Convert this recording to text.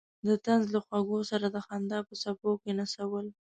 د طنز له خوږو سره د خندا په څپو کې نڅول.